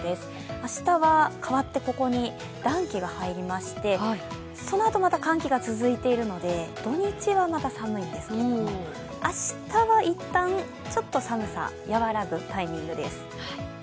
明日は代わってここに暖気が入りましてそのあと、また寒気が続いているので土日はまた寒いですけれども明日はいったんちょっと寒さ和らぐタイミングです。